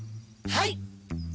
はい！